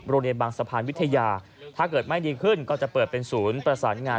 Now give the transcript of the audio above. โรงเรียนบางสะพานวิทยาถ้าเกิดไม่ดีขึ้นก็จะเปิดเป็นศูนย์ประสานงาน